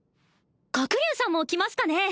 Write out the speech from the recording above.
角竜さんも来ますかね？